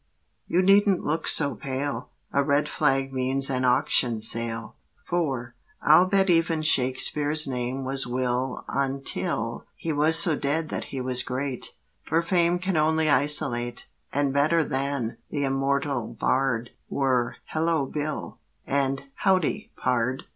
you needn't look so pale, A red flag means an auction sale." IV. I'll bet even Shakespeare's name was "Will," Until He was so dead that he was great, For fame can only isolate. And better than "The Immortal Bard" Were "Hello, Bill," and "Howdy, pard!"